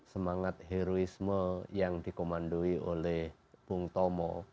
semangat heroisme yang dikomandoi oleh bung tomo